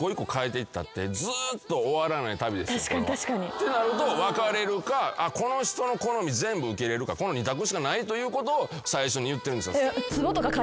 ってなると別れるかこの人の好み全部受け入れるかこの２択しかないということを最初に言ってるんですよ。